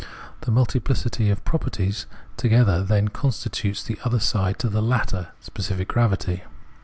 The multipHcity of properties together then constitutes the other side to the latter [specific gravity].